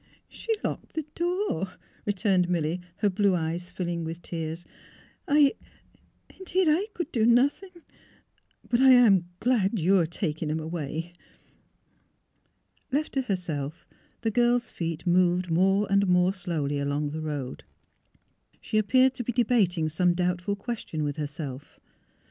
She locked the door," returned Milly, her blue eyes filling with tears. '' I — indeed, I could do nothing. But I am glad you are taking him away." Left to herself, the girl's feet moved more and more slowly along the road. She appeared to be debating some doubtful question with herself.